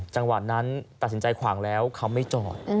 จังหวะนั้นตัดสินใจขวางแล้วเขาไม่จอด